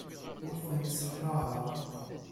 Ur tent-ssexlaɛeɣ.